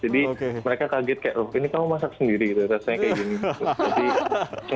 jadi mereka kaget kayak loh ini kamu masak sendiri gitu rasanya kayak gini